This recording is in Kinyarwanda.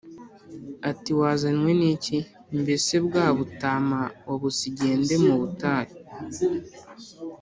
ati “Wazanywe n’iki? Mbese bwa butama wabusigiye nde mu butayu?